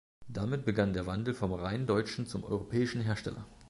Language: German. Damit begann der Wandel vom rein deutschen zum europäischen Hersteller.